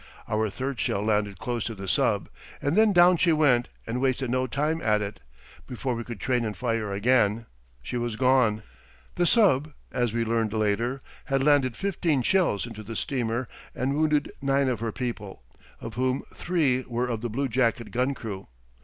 Our third shell landed close to the sub. And then down she went and wasted no time at it. Before we could train and fire again she was gone. The sub, as we learned later, had landed fifteen shells into the steamer and wounded nine of her people, of whom three were of the bluejacket gun crew.